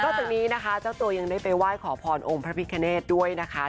จากจากนี้นะคะเจ้าตัวยังได้ไปว่ายขอพรองประพิเขณฑ์ด้วยนะคะ